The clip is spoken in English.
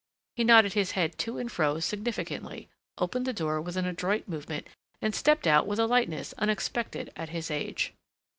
He nodded his head to and fro significantly, opened the door with an adroit movement, and stepped out with a lightness unexpected at his age.